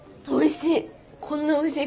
おいしい！